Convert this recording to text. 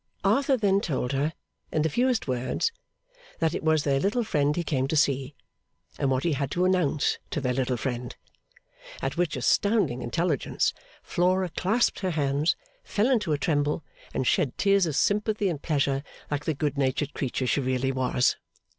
Arthur then told her, in the fewest words, that it was their little friend he came to see; and what he had to announce to their little friend. At which astounding intelligence, Flora clasped her hands, fell into a tremble, and shed tears of sympathy and pleasure, like the good natured creature she really was.